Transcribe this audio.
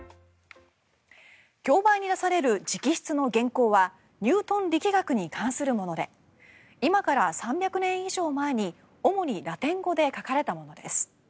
競売に出される直筆の原稿はニュートン力学に関するもので今から３００年以上前に主にラテン語で書かれたものです。